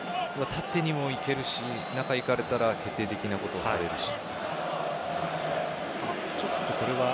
縦にも行けるし、中に行かれたら決定的なことをされるし。